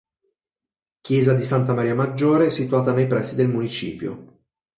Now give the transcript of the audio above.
Chiesa di Santa Maria Maggiore situata nei pressi del municipio.